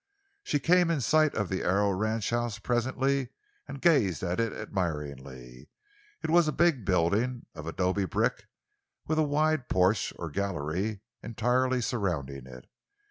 She came in sight of the Arrow ranchhouse presently, and gazed at it admiringly. It was a big building, of adobe brick, with a wide porch—or gallery—entirely surrounding it.